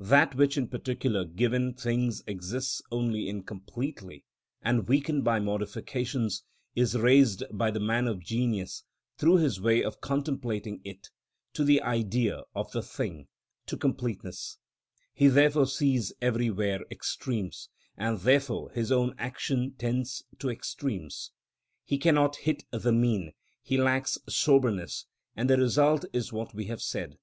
That which in particular given things exists only incompletely and weakened by modifications, is raised by the man of genius, through his way of contemplating it, to the Idea of the thing, to completeness: he therefore sees everywhere extremes, and therefore his own action tends to extremes; he cannot hit the mean, he lacks soberness, and the result is what we have said.